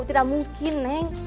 tidak mungkin nek